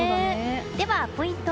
ではポイント